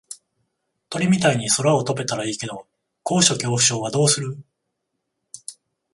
鳥みたいに空を飛べたらいいけど高所恐怖症はどうする？